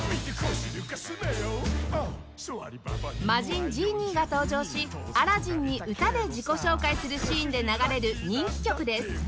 魔人ジーニーが登場しアラジンに歌で自己紹介するシーンで流れる人気曲です